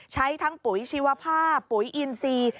ใช้ทั้งปุ๋ยชีวภาพปุ๋ยอินซี